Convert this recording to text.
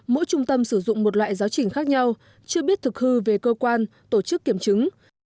mỗi trung tâm sử dụng một loại giáo trình khác nhau chưa biết thực hư về cơ quan tổ chức kiểm chứng